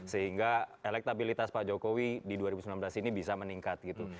sehingga elektabilitas pak jokowi di dua ribu sembilan belas ini bisa meningkat gitu